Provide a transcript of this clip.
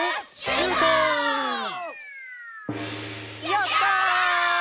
「やったー！！」